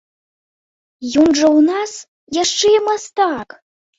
Ён жа ў нас яшчэ і мастак!